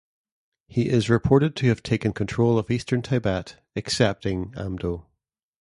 He is reported to have taken control of Eastern Tibet, excepting Amdo.